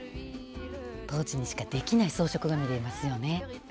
当時にしかできない装飾が見れますよね。